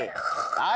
はい。